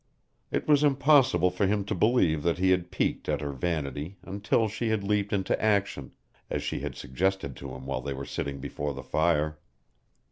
It was impossible for him to believe that he had piqued at her vanity until she had leaped into action, as she had suggested to him while they were sitting before the fire.